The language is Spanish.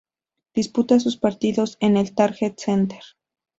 Disputa sus partidos en el Target Center.